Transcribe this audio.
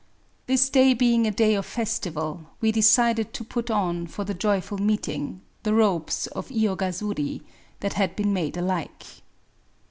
This day being a day of festival^ we decided to put on^for the joyful meetings the robes of lyogasuri^ that had been made alike.